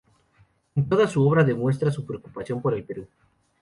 En toda su obra demuestra su preocupación por el Perú.